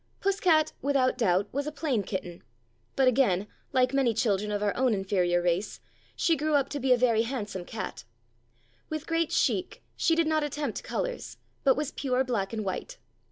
Puss cat, without doubt, was a plain kitten ; but again, like many children of our own inferior race, she grew up to be a very handsome cat. With great chic she did not attempt colours, but was pure black and white.